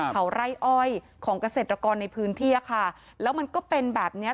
เขาไร่อ้อยของเกษตรกรในพื้นที่อ่ะค่ะแล้วมันก็เป็นแบบเนี้ย